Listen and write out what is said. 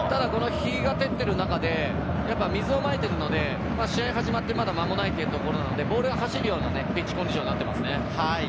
ただ日が照っている中で、水をまいているので、試合が始まって、まだ間もないですから、ボールが走るようなピッチコンディションになっていますね。